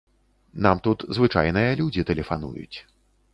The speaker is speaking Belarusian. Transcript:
Нам тут звычайныя людзі тэлефануюць.